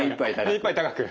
目いっぱい高く？